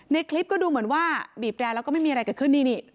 ในคลิปก็ดูเหมือนว่าบีบแรร์แล้วก็ไม่มีอะไรเกิดขึ้นนี่